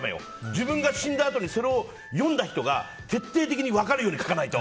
自分が死んだあとにその人が徹底的に分かるように書かないと。